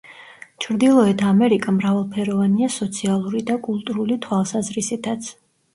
ჩრდილოეთ ამერიკა მრავალფეროვანია სოციალური და კულტურული თვალსაზრისითაც.